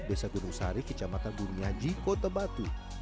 desa gunung sari kecamatan bumiaji kota batu